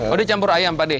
oh dia campur ayam pak d